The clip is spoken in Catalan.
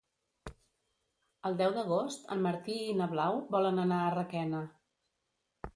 El deu d'agost en Martí i na Blau volen anar a Requena.